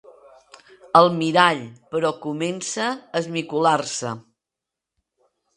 El mirall, però, comença a esmicolar-se.